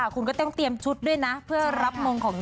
คุณก็ต้องเตรียมชุดด้วยนะเพื่อรับมงของ